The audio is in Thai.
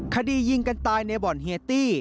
คดียิงกันตายในบ่อนเฮียตี้